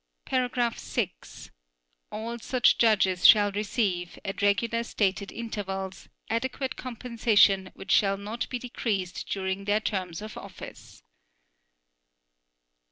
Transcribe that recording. (6) All such judges shall receive, at regular stated intervals, adequate compensation which shall not be decreased during their terms of office.